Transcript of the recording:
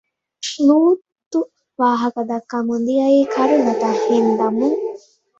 ލޫޠު ވާހަކަދައްކަމުން ދިޔައީ ކަރުނަތައް ހިންދަމުން